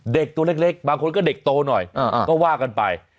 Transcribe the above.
เด็กตัวเล็กบางคนก็เด็กโตหน่อยก็ว่ากันไป